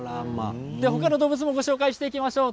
他の動物もご紹介していきましょう。